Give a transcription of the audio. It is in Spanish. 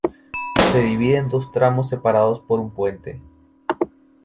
Se divide en dos tramos separados por un puente.